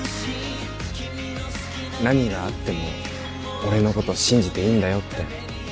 何があっても俺のこと信じていいんだよって